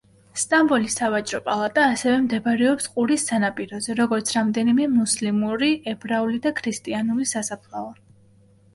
სტამბოლის სავაჭრო პალატა, ასევე მდებარეობს ყურის სანაპიროზე, როგორც რამდენიმე მუსლიმური, ებრაული და ქრისტიანული სასაფლაო.